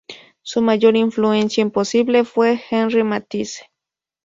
Su mayor influencia posiblemente fue Henri Matisse.